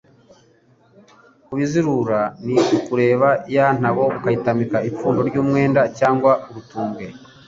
Kubizirura ni ukureba ya ntobo ukayitamika ipfundo ry’umwenda cyangwa urutumbwe